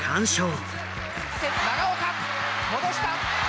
永岡戻した。